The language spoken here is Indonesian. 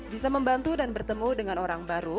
bisa membantu dan bertemu dengan orang baru